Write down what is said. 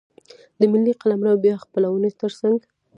د ملي قلمرو بیا خپلونې ترڅنګ.